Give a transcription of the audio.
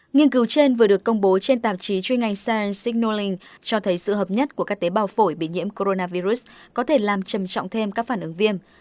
nghiên cứu trên vừa được công bố trên tạp chí chuyên ngành sireng sing noling cho thấy sự hợp nhất của các tế bào phổi bị nhiễm coronavirus có thể làm trầm trọng thêm các phản ứng viêm